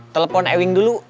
telepon ewing dulu